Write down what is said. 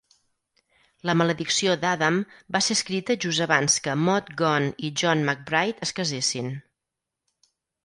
"La maledicció d'Adam" va ser escrita just abans que Maud Gonne i John MacBride es casessin.